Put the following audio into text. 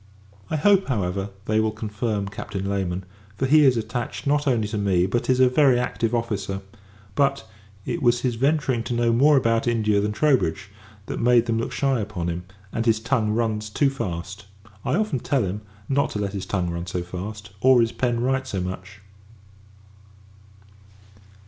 I hope, however, they will confirm Captain Layman; for he is attached not only to me, but is a very active officer. But, it was his venturing to know more about India than Troubridge, that made them look shy upon him; and, his tongue runs too fast. I often tell him, not to let his tongue run so fast, or his pen write so much.